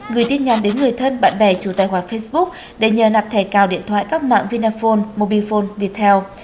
gửi tin nhắn đến người thân bạn bè chủ tài khoản facebook để nhờ nạp thẻ cào điện thoại các mạng vinaphone mobifone viettel